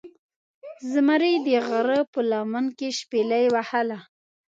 زمرې دغره په لمن کې شپیلۍ وهله